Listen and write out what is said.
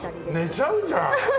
寝ちゃうじゃん！